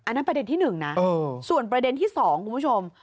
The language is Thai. อันนั้นประเด็นที่๑นะส่วนประเด็นที่๒คุณผู้ชม